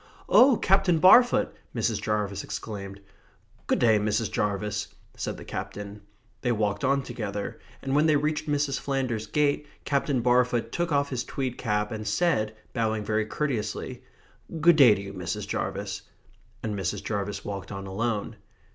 "Oh, Captain Barfoot!" Mrs. Jarvis exclaimed. "Good day, Mrs. Jarvis," said the Captain. They walked on together, and when they reached Mrs. Flanders's gate Captain Barfoot took off his tweed cap, and said, bowing very courteously: "Good day to you, Mrs. Jarvis." And Mrs. Jarvis walked on alone.